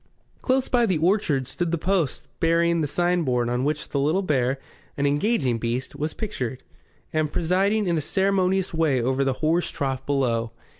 Close by the orchard stood the post bearing the signboard on which the Little Bear, an engaging beast, was pictured, and presiding in a ceremonious way over the horse trough below.